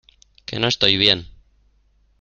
que no estoy bien.